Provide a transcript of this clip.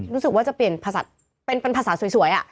รู้สึกว่าจะเปลี่ยนภาษาสวย